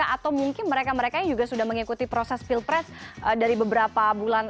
atau mungkin mereka mereka yang juga sudah mengikuti proses pilpres dari beberapa bulan